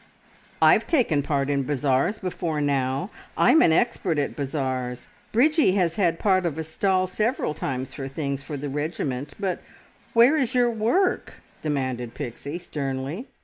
"I've taken part in bazaars before now. I'm an expert at bazaars. Bridgie has had part of a stall several times for things for the regiment; but where is your work?" demanded Pixie sternly.